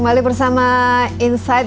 kembali bersama insight